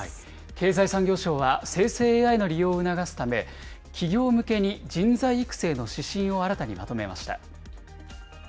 経済産業省は、生成ＡＩの利用を促すため、企業向けに人材育成の指針を新たにまとめました。